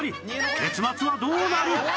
結末はどうなる？